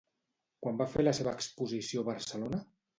Quan va fer la seva exposició a Barcelona?